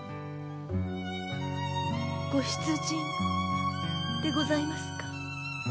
ご出陣でございますか？